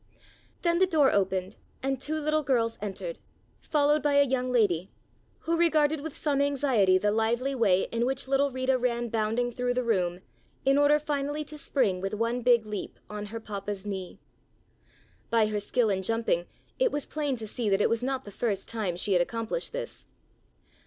Then the door opened and two little girls entered, followed by a young lady, who regarded with some anxiety the lively way in which little Rita ran bounding through the room in order finally to spring with one big leap on her papa's knee. By her skill in jumping it was plain to see that it was not the first time she had accomplished this.